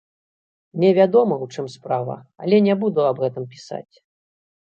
Мне вядома, у чым справа, але не буду аб гэтым пісаць.